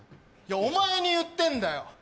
お前に言ってんだよ